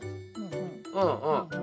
うんうん。